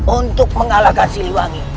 untuk mengalahkan siliwangi